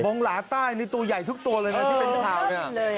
งหลาใต้นี่ตัวใหญ่ทุกตัวเลยนะที่เป็นข่าวเนี่ย